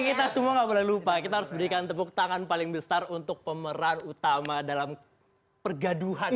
kita semua gak boleh lupa kita harus berikan tepuk tangan paling besar untuk pemeran utama dalam pergaduhan